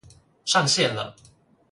上線了！